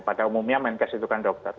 pada umumnya menkes itu kan dokter